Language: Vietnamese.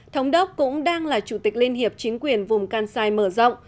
thống đốc cũng đang là chủ tịch liên hiệp chính quyền vùng kansai mở rộng